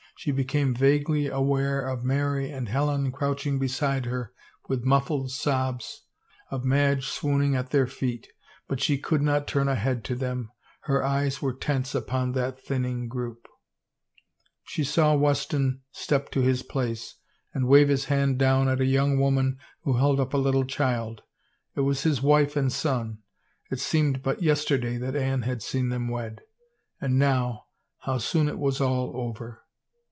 She be came vaguely aware of Mary and Helen crouching beside her, with muffled sobs, of Madge swooning at their feet, but she could not turn a head to them; her eyes were tense upon that thinning group. 2d 371 THE FAVOR OF KINGS She saw Weston step to his place and wave his hand down at a young woman who held up a little child. It was his wife and son. It seemed but yesterday that Anne had seen them wed. And now — how soon it was all over!